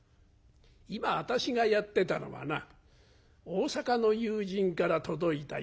今私がやってたのはな大阪の友人から届いた『柳陰』というお酒だ。